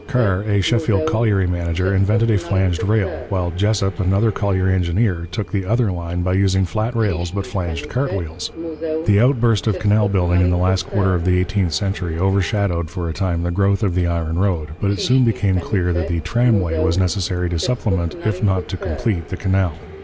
Carr, a Sheffield colliery manager, invented a flanged rail, while Jessop, another colliery engineer, took the other line by using flat rails but flanged cart wheels. The outburst of canal building in the last quarter of the eighteenth century overshadowed for a time the growth of the iron road, but it soon became clear that the 'tramway' was necessary to supplement, if not to complete, the canal.